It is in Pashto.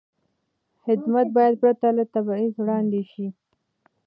خدمت باید پرته له تبعیض وړاندې شي.